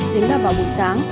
chính là vào buổi sáng